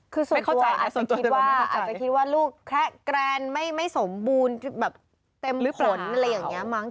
คือส่วนตัวอาจจะคิดว่าลูกแคระแกรนไม่สมบูรณ์แบบเต็มผลอะไรอย่างนี้มั้ง